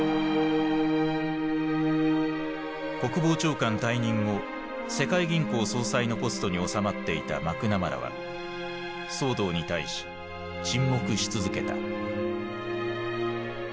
国防長官退任後世界銀行総裁のポストにおさまっていたマクナマラは騒動に対し沈黙し続けた。